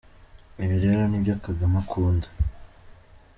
Ibi rero ni byo Kagame akunda!